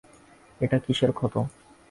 এটা কিসের ক্ষত?